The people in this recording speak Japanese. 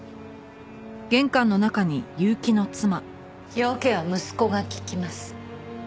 用件は息子が聞きます。